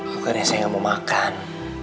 aku kan yang saya gak mau makan